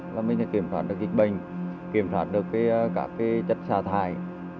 và mình sẽ kiểm soát được dịch bệnh kiểm soát được các chất xa thải